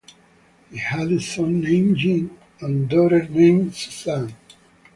They had a son named Jean and a daughter named Susanne.